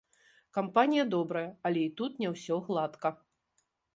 Кампанія добрая, але і тут не ўсё гладка.